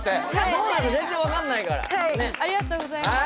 どうなるか全然分かんないからありがとうございました